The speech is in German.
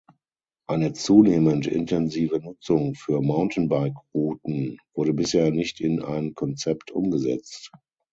Eine zunehmend intensive Nutzung für Mountainbike-Routen wurde bisher nicht in ein Konzept umgesetzt.